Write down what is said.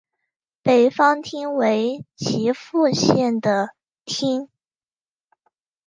北方町为岐阜县的町。